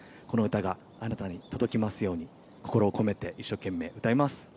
この歌があなたに届きますように心を込めて一生懸命歌います。